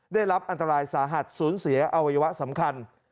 ได้รับอันตรายสาหัสสูญเสียอวัยวะสำคัญ